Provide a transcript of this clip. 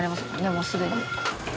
もうすでに。